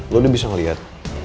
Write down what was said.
lo udah bisa ngeliat